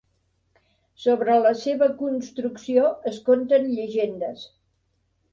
Sobre la seva construcció es conten llegendes.